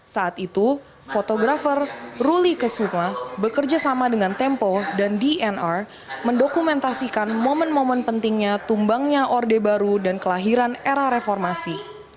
saat itu fotografer ruli kesuma bekerja sama dengan tempo dan dnr mendokumentasikan momen momen pentingnya tumbangnya orde baru dan kelahiran era reformasi